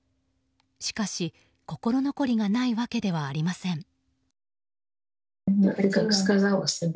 しかし心残りがないわけではありません。